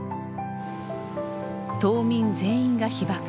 島民全員が被ばく。